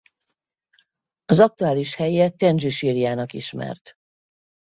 Az aktuális helye Tendzsi sírjának ismert.